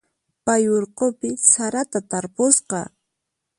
Pay urqupi sarata tarpusqa.